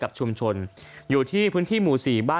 โปรดติดตามต่อไป